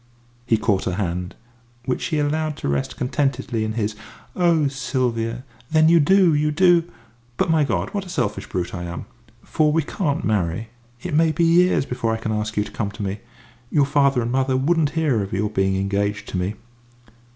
He caught her hand, which she allowed to rest contentedly in his. "Oh, Sylvia! Then you do you do! But, my God, what a selfish brute I am! For we can't marry. It may be years before I can ask you to come to me. You father and mother wouldn't hear of your being engaged to me."